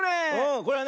これはね